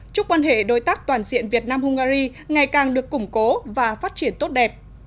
chúc quan hệ đối tác toàn diện việt nam hungary ngày càng được củng cố và phát triển tốt đẹp